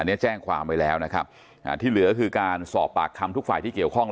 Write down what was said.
แจ้งความไว้แล้วนะครับอ่าที่เหลือคือการสอบปากคำทุกฝ่ายที่เกี่ยวข้อง